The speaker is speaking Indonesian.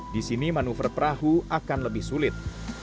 di sini manuver perahu akan lebih sulit